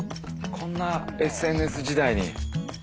こんなＳＮＳ時代に。